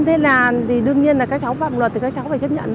thế là thì đương nhiên là các cháu phạm luật thì các cháu phải chấp nhận thôi